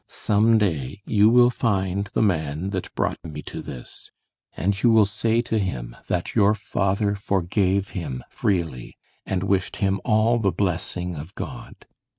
Some day you will find the man that brought me to this, and you will say to him that your father forgave him freely, and wished him all the blessing of God.